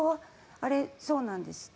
あれそうなんですって。